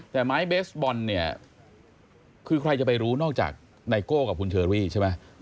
แต่ไม้เบสบอลเนี่ยคือใครจะไปรู้นอกจากไนโก้กับคุณเชอรี่ใช่ไหม